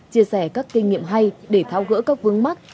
chia sẻ các kinh nghiệm hay để tháo gỡ các vướng mắt